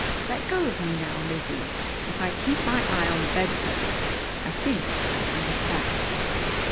Let go of me now, Lizzie. If I keep my eye on the bedpost I think I can get back."